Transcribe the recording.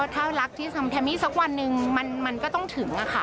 ถ้ารักที่ทำแฮมมี่สักวันหนึ่งมันก็ต้องถึงค่ะ